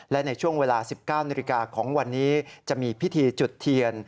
และในช่วงเวลา๑๙นาฬิกาของวันนี้จะมีพิธีจุดเทียน